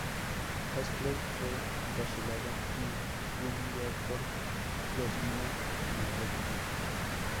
Astley fue encarcelado y Hungerford reasumió en mando.